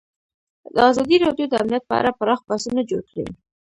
ازادي راډیو د امنیت په اړه پراخ بحثونه جوړ کړي.